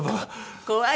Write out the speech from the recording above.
怖い！